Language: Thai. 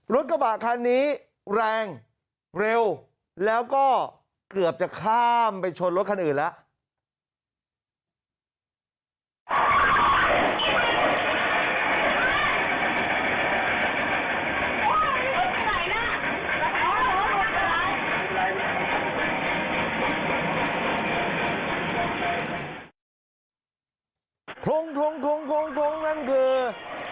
รถกระบะคันนี้แรงเร็วแล้วก็เกือบจะข้ามไปชนรถคันอื่นแล้ว